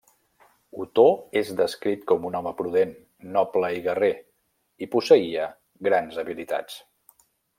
Otó és descrit com un home prudent noble i guerrer, i posseïa grans habilitats.